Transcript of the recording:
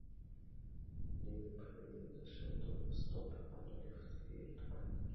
Rein played shortstop and left field.